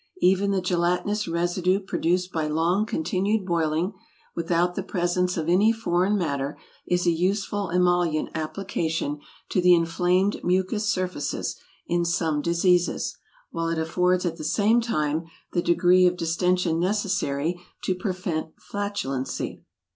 Even the gelatinous residue produced by long continued boiling, without the presence of any foreign matter, is a useful emollient application to the inflamed mucous surfaces in some diseases, while it affords at the same time the degree of distention necessary to prevent flatulency.